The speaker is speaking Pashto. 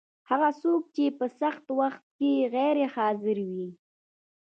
هغه څوک چې په سخت وخت کي غیر حاضر وي